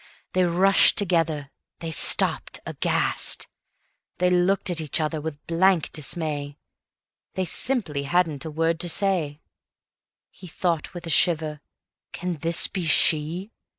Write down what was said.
They rushed together, they stopped aghast. They looked at each other with blank dismay, They simply hadn't a word to say. He thought with a shiver: "Can this be she?"